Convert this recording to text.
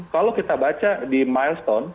kalau kita baca di milestone